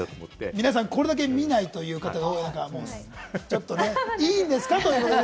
皆さん、これだけ見ないという方が多い中、ちょっとね、いいですか？ということで。